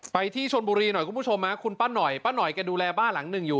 ที่ชนบุรีหน่อยคุณผู้ชมคุณป้าหน่อยป้าหน่อยแกดูแลบ้านหลังหนึ่งอยู่